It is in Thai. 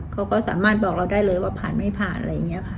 เขาก็สามารถบอกเราได้เลยว่าผ่านไม่ผ่านอะไรอย่างนี้ค่ะ